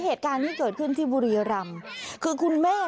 เจ้าก็อมรักนะ